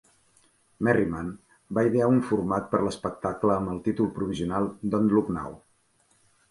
Merriman va idear un format per l'espectacle amb el títol provisional "Don't Look Now".